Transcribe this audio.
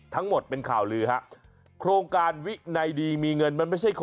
โถ่แม่คงคิดในใจ